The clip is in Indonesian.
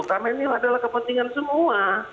karena ini adalah kepentingan semua